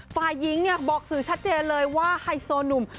ฝ่ายิงบอกสื่อชัดเจนเลยว่าไฮโซหนุ่ม